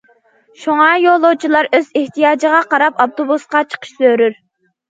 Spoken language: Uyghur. شۇڭا يولۇچىلار ئۆز ئېھتىياجىغا قاراپ ئاپتوبۇسقا چىقىشى زۆرۈر.